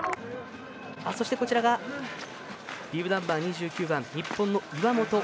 そしてビブナンバー２９番日本の岩本。